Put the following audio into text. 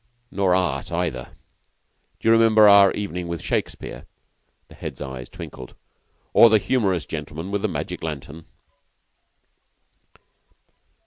'" "Nor art either. D'you remember our 'Evening with Shakespeare'?" The Head's eyes twinkled. "Or the humorous gentleman with the magic lantern?"